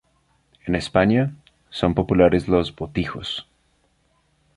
En España, son populares los "botijos".